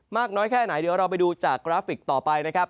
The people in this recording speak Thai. มากน้อยแค่ไหนเดี๋ยวเราไปดูจากกราฟิกต่อไปนะครับ